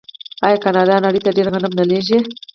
آیا کاناډا نړۍ ته ډیر غنم نه لیږي؟